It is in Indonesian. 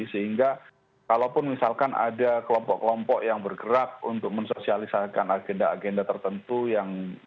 sehingga kalaupun misalkan ada kelompok kelompok yang bergerak untuk mensosialisakan agenda agenda tertentu yang ini tidak diterapkan